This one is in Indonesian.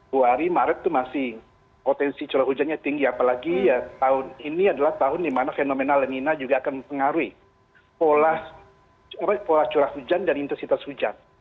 dua hari maret itu masih potensi curah hujannya tinggi apalagi tahun ini adalah tahun di mana fenomena lemina juga akan mengaruhi pola curah hujan dan intensitas hujan